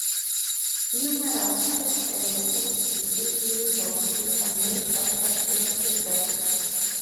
Numerous streets and localities in Liverpool are named after slave traders.